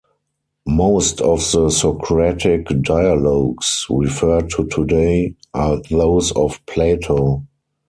Most of the Socratic dialogues referred to today are those of Plato.